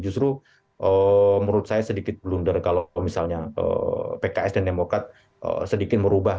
justru menurut saya sedikit blunder kalau misalnya pks dan demokrat sedikit merubah